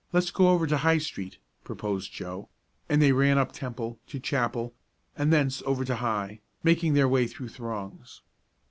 "Let's go over to High street," proposed Joe, and they ran up Temple, to Chapel, and thence over to High, making their way through throngs.